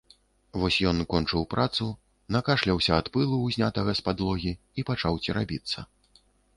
Вось ён кончыў працу, накашляўся ад пылу, узнятага з падлогі, і пачаў церабіцца.